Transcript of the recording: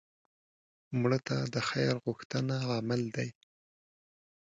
مړه ته د خیر غوښتنه عمل دی